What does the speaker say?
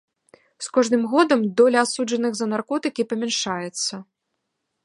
З кожным годам доля асуджаных за на наркотыкі памяншаецца.